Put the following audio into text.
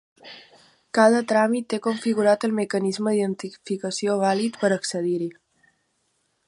Cada tràmit té configurat el mecanisme d'identificació vàlid per accedir-hi.